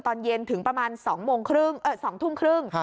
ตอนเย็นถึงประมาณ๒ทุ่มครึ่ง